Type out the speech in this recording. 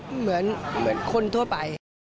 เหมือนคนทั่วไป